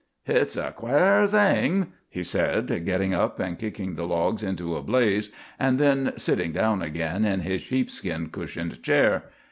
"Hit's a quare thing," he said, getting up and kicking the logs into a blaze, and then sitting down again in his sheepskin cushioned chair.